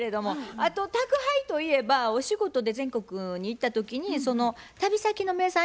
あと宅配といえばお仕事で全国に行った時にその旅先の名産品なんかもね